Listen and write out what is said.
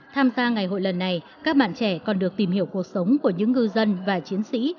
tham gia ngày hội lần này các bạn trẻ còn được tìm hiểu cuộc sống của những ngư dân và chiến sĩ